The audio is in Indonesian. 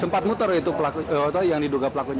sempat muter itu yang diduga pelakunya